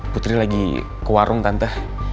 putri lagi ke warung tante